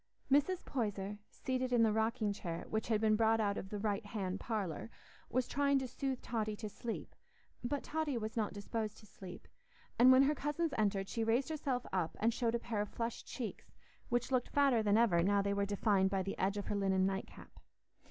Mrs. Poyser, seated in the rocking chair, which had been brought out of the "right hand parlour," was trying to soothe Totty to sleep. But Totty was not disposed to sleep; and when her cousins entered, she raised herself up and showed a pair of flushed cheeks, which looked fatter than ever now they were defined by the edge of her linen night cap.